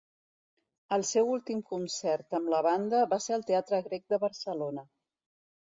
El seu últim concert amb la banda va ser al Teatre Grec de Barcelona.